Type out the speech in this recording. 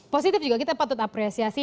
positif juga kita patut apresiasi